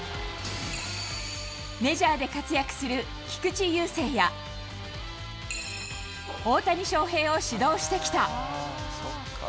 メジャーで活躍する菊池雄星や、大谷翔平を指導してきた。